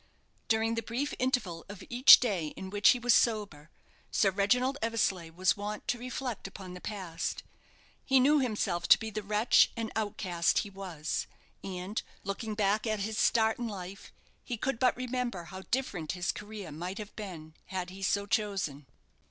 During the brief interval of each day in which he was sober, Sir Reginald Eversleigh was wont to reflect upon the past. He knew himself to be the wretch and outcast he was; and, looking back at his start in life, he could but remember how different his career might have been had he so chosen.